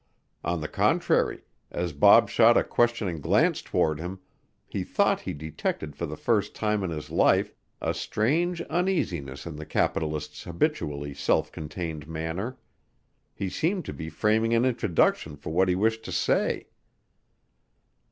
On the contrary, as Bob shot a questioning glance toward him, he thought he detected for the first time in his life a strange uneasiness in the capitalist's habitually self contained manner. He seemed to be framing an introduction for what he wished to say.